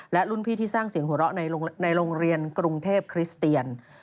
และรุ่นพี่ที่สร้างเสียงหัวเราะในโรงเรียนกรุงเทพคริสเตียน